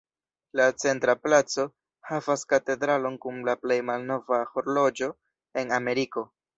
La centra placo havas katedralon kun la plej malnova horloĝo en Ameriko.